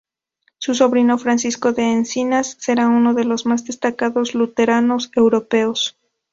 Su sobrino Francisco de Encinas será uno de los más destacados luteranos europeos.